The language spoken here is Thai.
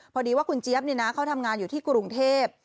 พอดีว่าคุณเจี๊ยบเขาทำงานอยู่ที่กรุงเทพ